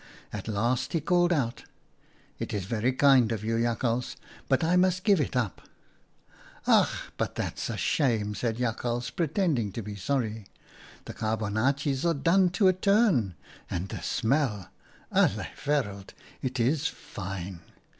At last he called out :"' It's very kind of you, Jakhals, but I must give it up.' 11 ' Ach ! but that's a shame !' said Jakhals, pretending to be sorry. 'The carbonaatjes are done to a turn, and the smell — alle wereld! it's fine